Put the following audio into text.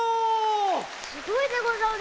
・すごいでござる！